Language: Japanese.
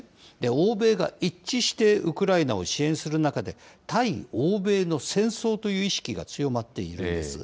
欧米が一致してウクライナを支援する中で、対欧米の戦争という意識が強まっているんです。